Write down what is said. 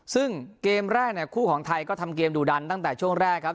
ซึ่งเกมแรกเนี่ยคู่ของไทยก็ทำเกมดูดันตั้งแต่ช่วงแรกครับ